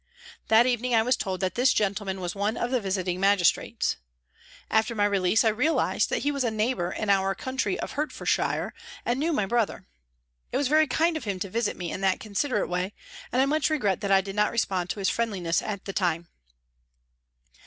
That evening I was told that this gentleman was one of the Visiting Magistrates. After my release I realised that he was a neighbour in our county of Hertfordshire and knew my brother. It was very kind of him to visit me in that considerate way and I much regret that I did not respond to his friendli ness at the time.